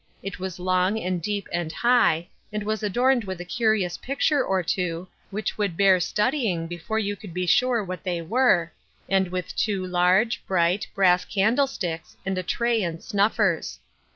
It was long and deep and high, and was adorned with a curious picture or two, which would bear studying before you could be sure what they were, and with two large, bright, brass candle Embarrassment and Merriment 28T sticks, and a tray and snuffers.